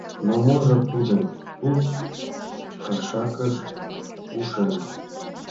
Но можо тудым Туз кашакыш ушен?